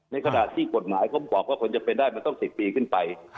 ในขณะที่กฏหมายว่าสัญญาติจะเป็นได้ต้อง๑๐ปีขึ้นไป